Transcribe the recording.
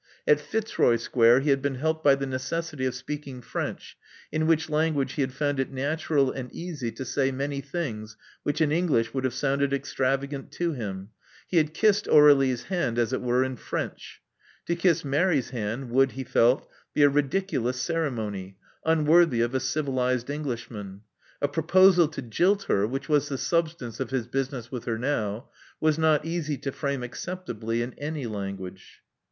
At Fitzroy Square he had been helped by the necessity of speaking French, in which language he had found it natural and easy to say many things which in English would have sounded extravagant to him. He had kissed Aur^lie's hand, as it were, in French. To kiss Mary's hand would, he felt, be a ridiculous ceremony, unworthy of a civilized Englishman. A proposal to jilt her, which was the substance of his business with her now, was not easy to frame acceptably in any language.